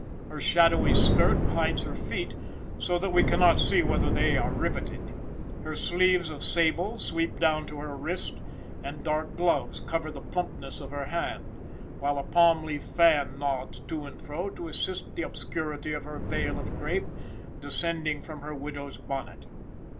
Her shadowy skirt hides her feet, so that we cannot see whether they are riveted; her sleeves of sable sweep down to her wrist, and dark gloves cover the plumpness of her hand, while a palm leaf fan nods to and fro to assist the obscurity of her vail of crape, descending from her widow's bonnet.